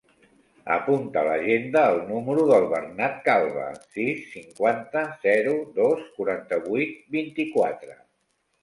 Apunta a l'agenda el número del Bernat Calva: sis, cinquanta, zero, dos, quaranta-vuit, vint-i-quatre.